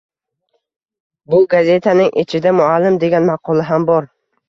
Bu gazetaning ichida muallim degan maqola ham bor.